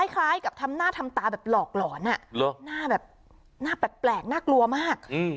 คล้ายกับทำหน้าทำตาแบบหลอกหลอนหน้าแบบหน้าแปลกน่ากลัวมาก